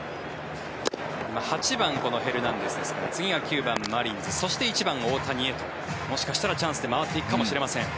今、８番、ヘルナンデスですから次が９番、マリンズそして１番大谷へともしかしたらチャンスで回っていくかもしれません。